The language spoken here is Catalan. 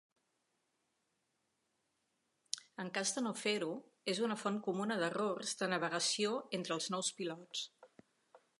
En cas de no fer-ho és una font comuna d'errors de navegació entre els nous pilots.